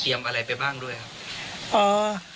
เตรียมอะไรไปบ้างด้วยครับ